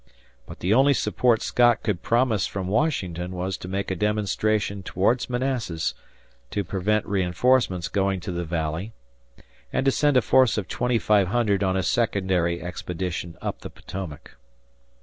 But the only support Scott could promise from Washington was to make a demonstration towards Manassas to prevent reinforcements going to the Valley and to send a force of 2500 on a secondary expedition up the Potomac.